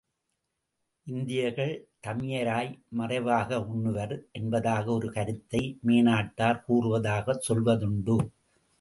இந்தியர்கள் தமியராய் மறைவாக உண்ணுவர் என்பதாக ஒரு கருத்தை மேனாட்டார் கூறுவதாகச் சொல்வதுண்டு.